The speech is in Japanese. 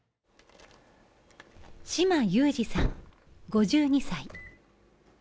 島優司さん、５２歳。